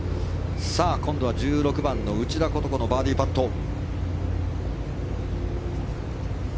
今度は１６番の内田ことこのバーディーパット。